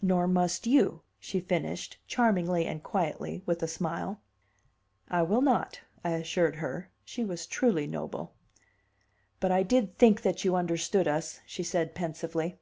"Nor must you," she finished, charmingly and quietly, with a smile. "I will not," I assured her. She was truly noble. "But I did think that you understood us," she said pensively.